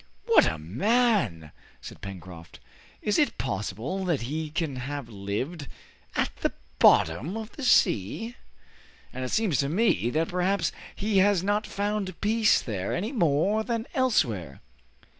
"What a man!" said Pencroft. "Is it possible that he can have lived at the bottom of the sea? And it seems to me that perhaps he has not found peace there any more than elsewhere!"